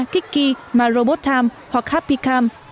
kikki marobot time hoặc happy cam